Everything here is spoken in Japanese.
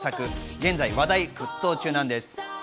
現在、話題沸騰中なんです。